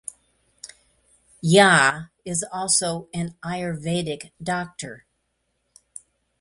Jha is also an Ayurvedic Doctor.